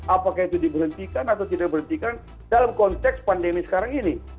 apakah itu diberhentikan atau tidak diberhentikan dalam konteks pandemi sekarang ini